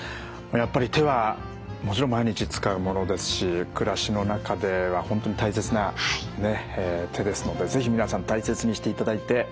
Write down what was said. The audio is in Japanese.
やっぱり手はもちろん毎日使うものですし暮らしの中では本当に大切なねっ手ですので是非皆さん大切にしていただいて。